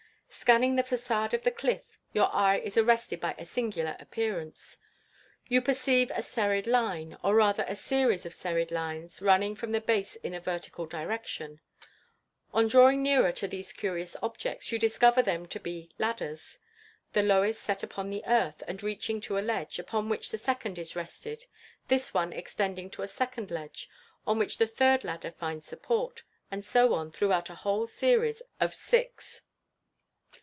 Scanning the facade of the cliff, your eye is arrested by a singular appearance. You perceive a serried line, or rather a series of serried lines, running from the base in a vertical direction. On drawing nearer to these curious objects, you discover them to be ladders the lowest set upon the earth, and reaching to a ledge, upon which the second is rested; this one extending to a second ledge, on which the third ladder finds support; and so on throughout a whole series of six.